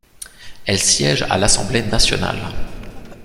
Elle siège à l'Assemblée nationale.